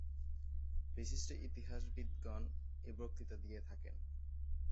বিশিষ্ট ইতিহাসবিদগণ এই বক্তৃতা দিয়ে থাকেন।